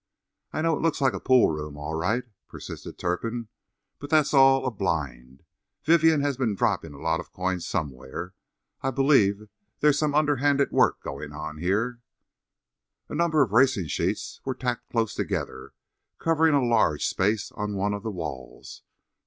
"I know it looks like a pool room, all right," persisted Turpin, "but that's all a blind. Vivien has been dropping a lot of coin somewhere. I believe there's some under handed work going on here." A number of racing sheets were tacked close together, covering a large space on one of the walls.